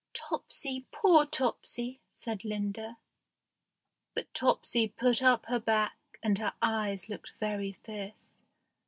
"Topsy, poor Topsy!" said Linda. But Topsy put up her back, and her eyes looked very fierce.